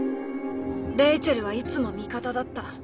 レイチェルはいつも味方だった。